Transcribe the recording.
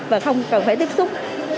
và không cần phải tiếp xúc